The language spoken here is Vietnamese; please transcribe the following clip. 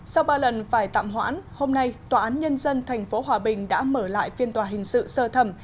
sau ba lần phải tạm hoãn hôm nay tòa án nhân dân tp hòa bình đã mở lại phiên tòa hình sự sơ thẩm